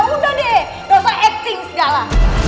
udah deh dosa acting segala